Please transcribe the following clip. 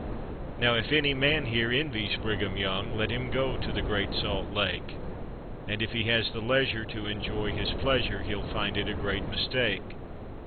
Now, if any man here envies Brigham Young Let him go to the Great Salt Lake; And if he has the leisure to enjoy his pleasure, He'll find it a great mistake.